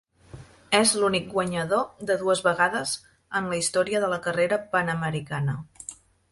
És l'únic guanyador de dues vegades en la història de la carrera Panamericana.